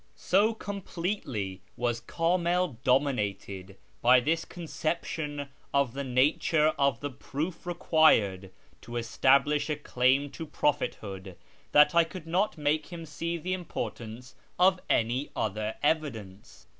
So completely was K;imil dominated by this conception of the nature of the proof required to establish a claim to prophet hood, that I could not make him see the importance of any other evidence.